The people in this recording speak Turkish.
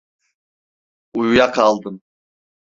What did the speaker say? Uyuyakaldım.